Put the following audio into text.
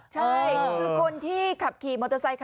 ใช่คือคนที่ขับขี่มอเตอร์ไซคัน